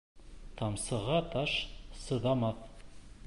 Тамсыға таш сыҙамаҫ.